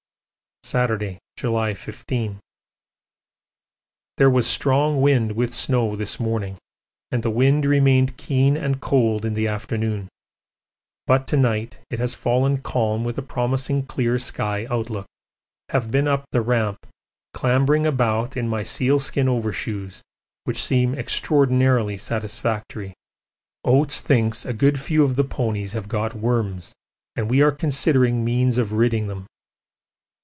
Saturday, July 15. There was strong wind with snow this morning and the wind remained keen and cold in the afternoon, but to night it has fallen calm with a promising clear sky outlook. Have been up the Ramp, clambering about in my sealskin overshoes, which seem extraordinarily satisfactory. Oates thinks a good few of the ponies have got worms and we are considering means of ridding them.